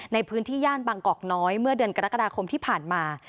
ในพื้นที่ย่านบางกอกน้อยเมื่อเดือนกรกฎาคมที่ผ่านมา